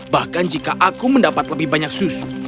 bahkan jika aku mendapat lebih banyak susu